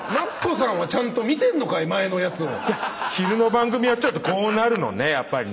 昼の番組はちょっとこうなるのねやっぱりね。